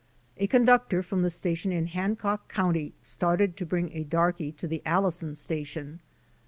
A conductor from the station in Hancock county started to bring a darkey to the Allison station.